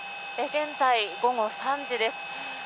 現在、午後３時です。